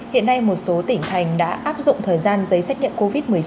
hiện nay một số tỉnh thành đã áp dụng thời gian giấy xét nghiệm covid một mươi chín